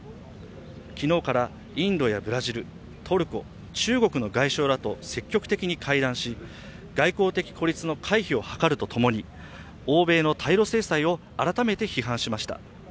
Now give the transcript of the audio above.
昨日からインドやブラジル、トルコ、中国の外相らと積極的に会談し、外交的孤立の回避を図るとともに欧米の対ロ制裁を改めて批判しました。